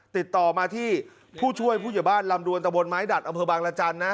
ติดต่อมาที่ผู้ช่วยผู้ใหญ่บ้านลำดวนตะบนไม้ดัดอำเภอบางรจันทร์นะ